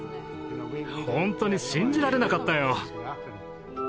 ほんとに信じられなかったよ。